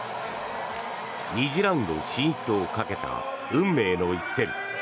２次ラウンド進出をかけた運命の一戦。